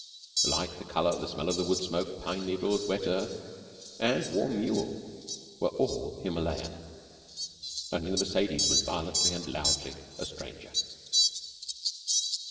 The light, the colour, the smell of wood smoke, pine needles, wet earth, and warm mule were all Himalayan. Only the Mercedes was violently and loudly a stranger.